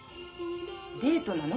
デートなの？